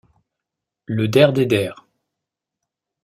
Le der des der.